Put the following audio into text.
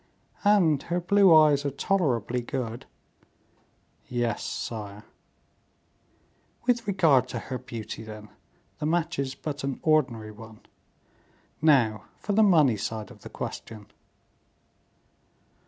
"And her blue eyes are tolerably good." "Yes, sire." "With regard to her beauty, then, the match is but an ordinary one. Now for the money side of the question."